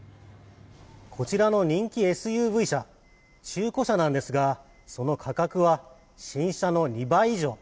こちらの人気ＳＵＶ車中古車なんですがその価格は新車の２倍以上。